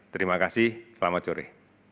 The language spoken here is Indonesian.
terima kasih selamat sore